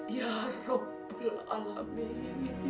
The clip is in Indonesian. ya rabbal alamin